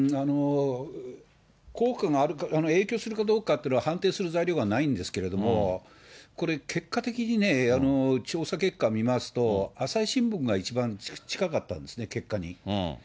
効果があるか、影響するかどうかっていうのは判定する材料がないんですけれども、これ、結果的にね、調査結果を見ますと、朝日新聞が一番近かったんですね、結果に。